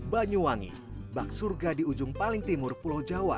banyuwangi bak surga di ujung paling timur pulau jawa